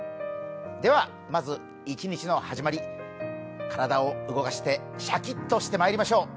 では、まず一日の始まり、体を動かしてシャキッとしてまいりましょう。